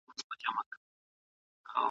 واقعیت او هنر باید یو له بل سره همغږي وي.